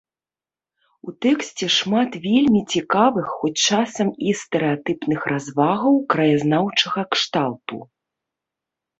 У тэксце шмат вельмі цікавых, хоць часам і стэрэатыпных, развагаў краіназнаўчага кшталту.